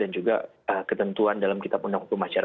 dan juga ketentuan dalam kitab undang hukum acara pidana